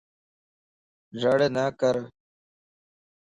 رڙ نڪر